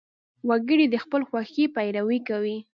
وګړي د خپلې خوښې پیروي کوي.